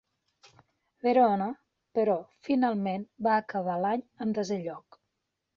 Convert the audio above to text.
Verona, però, finalment va acabar l'any en desè lloc.